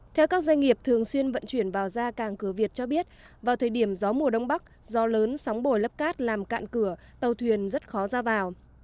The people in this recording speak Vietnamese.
theo các doanh nghiệp thường xuyên vận chuyển vào ra càng cửa việt cho biết vào thời điểm gió mùa đông bắc do lớn sóng bồi lấp cát làm cạn cửa tàu thuyền rất khó ra vào